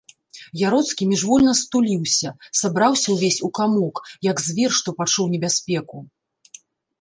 Яроцкі міжвольна стуліўся, сабраўся ўвесь у камок, як звер, што пачуў небяспеку.